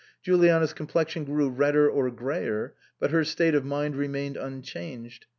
Juliana's complexion grew redder or greyer, but her state of mind remained unchanged.